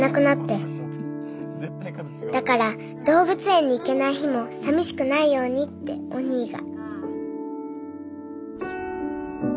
だから動物園に行けない日も寂しくないようにっておにぃが。